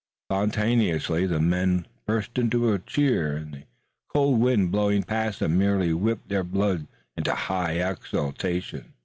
Spontaneously the men burst into a cheer, and the cold wind blowing past them merely whipped their blood into high exaltation.